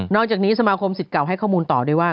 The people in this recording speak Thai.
จากนี้สมาคมสิทธิ์เก่าให้ข้อมูลต่อด้วยว่า